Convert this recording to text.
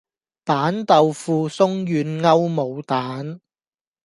板豆腐鬆軟歐姆蛋